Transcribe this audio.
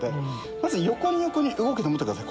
まず横に動くと思ってください